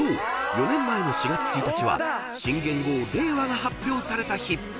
４年前の４月１日は新元号令和が発表された日］